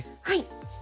はい。